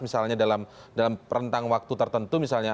misalnya dalam rentang waktu tertentu misalnya